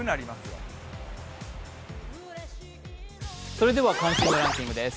それでは関心度ランキングです。